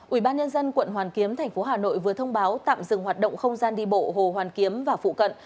ủy ban nhân dân quận hoàn kiếm thành phố hà nội vừa thông báo tạm dừng hoạt động không gian đi bộ hồ hoàn kiếm và phụ cận